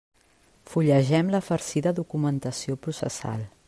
Fullegem la farcida documentació processal.